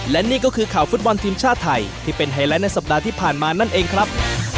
และนี่ก็คือข่าวฟุตบอลทีมชาติไทยที่เป็นไฮไลท์ในสัปดาห์ที่ผ่านมานั่นเองครับ